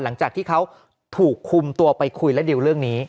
หลังจากที่เขาถูกคุมตัวไปคุยและดิวเรื่องนี้